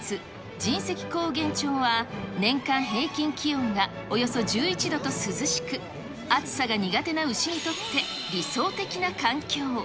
神石高原町は、年間平均気温がおよそ１１度と涼しく、暑さが苦手な牛にとって理想的な環境。